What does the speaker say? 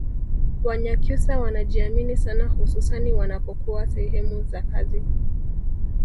Wanyakyusa wanajiamini sana hususani wanapokuwa sehemu za kazi